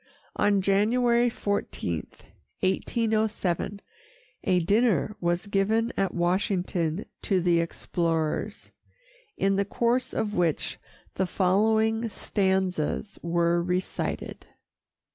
On January 14, 1807, a dinner was given at Washington to the explorers, in the course of which the following stanzas were recited.